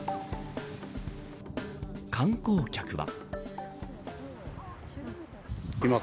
観光客は。